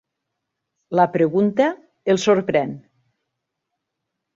La pregunta el sorprèn.